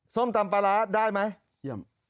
ส้มตำปลาร้าได้ไหม